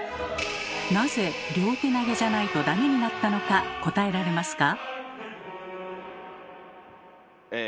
なぜ両手投げじゃないとダメになったのか答えられますか？